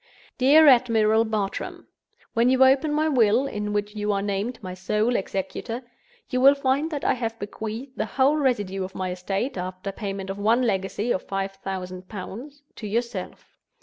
"DEAR ADMIRAL BARTRAM, "When you open my Will (in which you are named my sole executor), you will find that I have bequeathed the whole residue of my estate—after payment of one legacy of five thousand pounds—to yourself.